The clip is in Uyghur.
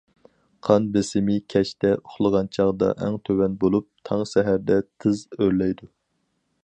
قان بېسىمى كەچتە ئۇخلىغان چاغدا ئەڭ تۆۋەن بولۇپ، تاڭ سەھەردە تېز ئۆرلەيدۇ.